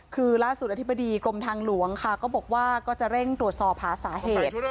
คือล่าสุดอธิบดีกรมทางหลวงค่ะก็บอกว่าก็จะเร่งตรวจสอบหาสาเหตุ